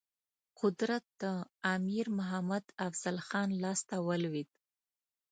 قدرت د امیر محمد افضل خان لاسته ولوېد.